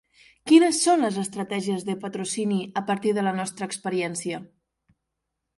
Quines són les estratègies de patrocini a partir de la nostra experiència.